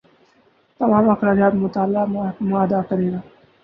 تمام اخراجات متعلقہ محکمہ ادا کرے گا۔